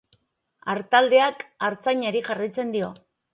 Artaldeak artzainari jarraitzen dio.